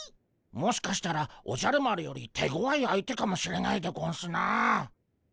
もしかしたらおじゃる丸より手ごわい相手かもしれないでゴンスな。